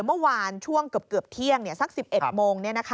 เมื่อวานช่วงเกือบเที่ยงสัก๑๑โมง